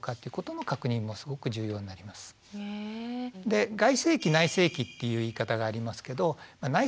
で外性器内性器っていう言い方がありますけど内